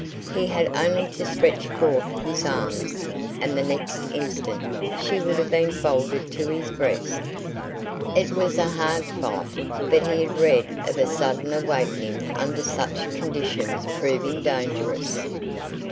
He had only to stretch forth his arms and the next instant she would have been folded to his breast. It was a hard fight, but he had read of a sudden awakening under such conditions proving dangerous.